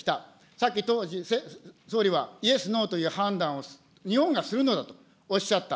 さっき総理はイエス、ノーという判断を、日本がするのだとおっしゃった。